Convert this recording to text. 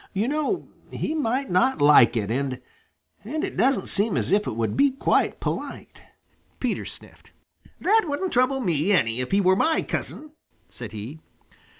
"You know, he might not like it and and it doesn't seem as if it would be quite polite." Peter sniffed. "That wouldn't trouble me any if he were my cousin," said he.